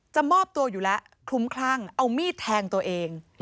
มอบตัวอยู่แล้วคลุ้มคลั่งเอามีดแทงตัวเอง